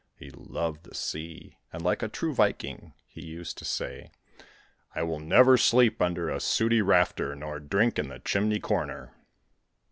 He loved the sea, and, like a true Viking, he used to say: 'I will never sleep under a sooty rafter nor drink in the chimney corner.'